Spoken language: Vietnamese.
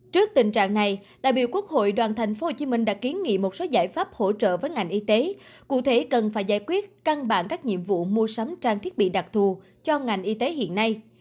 trước tình trạng này đại biểu quốc hội đoàn thành phố hồ chí minh đã ký nghị một số giải pháp hỗ trợ với ngành y tế cụ thể cần phải giải quyết căn bản các nhiệm vụ mua sắm trang thiết bị đặc thù cho ngành y tế hiện nay